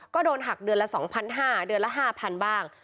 ก็โดนหักเดือนละ๒๕๐๐เดือนละ๕๐๐๐บ้าง